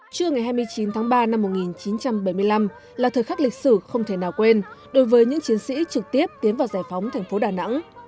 trưa ngày hai mươi chín tháng ba năm một nghìn chín trăm bảy mươi năm là thời khắc lịch sử không thể nào quên đối với những chiến sĩ trực tiếp tiến vào giải phóng thành phố đà nẵng